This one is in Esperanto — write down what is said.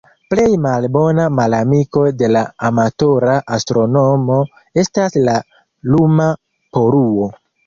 Plej malbona malamiko de la amatora astronomo estas la luma poluo.